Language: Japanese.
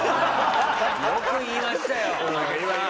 よく言いましたよ！